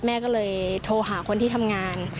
แม่ก็เลยโทรหาคนที่ทำงาน